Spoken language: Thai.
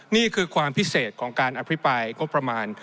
นี่คือความพิเศษของการอภิปรายงบประมาณ